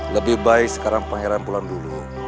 lebih baik sekarang pangeran pulang dulu